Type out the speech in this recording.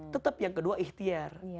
tetap yang kedua ikhtiar